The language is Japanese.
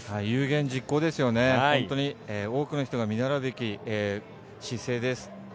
有言実行ですよね多くの人が見習うべき姿勢です。